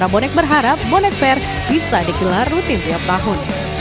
bonek berharap bonek fair bisa dikelar rutin tiap tahun